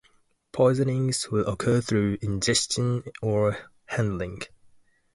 Poisonings will occur through ingestion or handling.